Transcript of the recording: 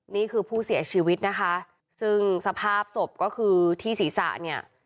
นี่คือผู้เสียชีวิตนะคะซึ่งสภาพศพก็คือที่ศีรษะเนี่ย